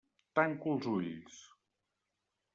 Tanco els ulls.